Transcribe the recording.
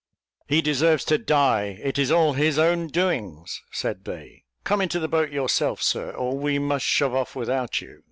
"He deserves to die; it is all his own doings," said they; "come into the boat yourself, Sir, or we must shove off without you."